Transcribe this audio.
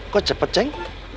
kok cepet ceng